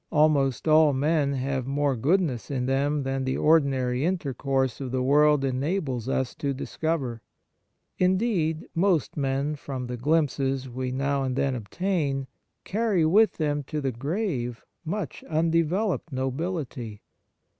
Almost all men have more goodness in them than the ordinary intercourse of the world enables us to discover. Indeed, most men, from the glimpses we now and then obtain, carry with them to the grave much undeveloped nobility.